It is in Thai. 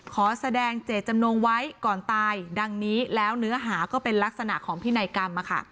ขอแสดงเจตจำนงไว้ก่อนตายดังนี้แล้วเนื้อหาก็เป็นลักษณะของพินัยกรรม